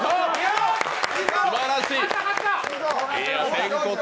すばらしい！